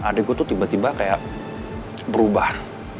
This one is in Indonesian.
adik gue tuh tiba tiba kayak berubah